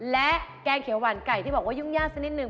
และแกงเขียวหวานไก่ที่บอกว่ายุ่งยากสักนิดนึ